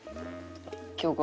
京子